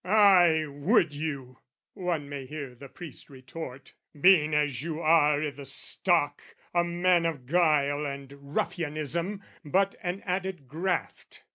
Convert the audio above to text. "Ay, would you!" one may hear the priest retort, "Being as you are, i' the stock, a man of guile, "And ruffianism but an added graft.